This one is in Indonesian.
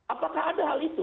apakah ada hal itu